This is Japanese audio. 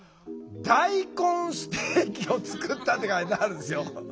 「大根ステーキを作った」って書いてあるんですよ。